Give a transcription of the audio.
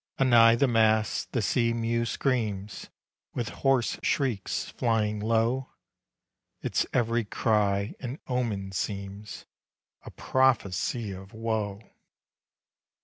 Anigh the mast the sea mew screams, With hoarse shrieks, flying low. Its every cry an omen seems, A prophecy of woe.